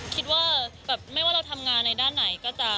คิดว่าแบบไม่ว่าเราทำงานในด้านไหนก็จะ